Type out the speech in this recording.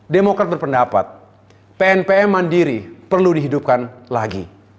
demokrat berpendapat pnpm mandiri perlu dihidupkan lagi